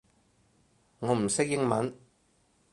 我唔識英文